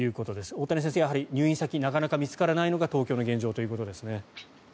大谷先生、やはり入院先なかなか見つからないのが東京の現状ということですね。